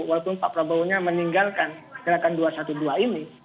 walaupun pak prabowo nya meninggalkan gerakan dua ratus dua belas ini